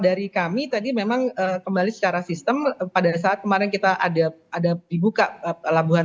dari kami tadi memang kembali secara sistem pada saat kemarin kita ada ada dibuka pelabuhan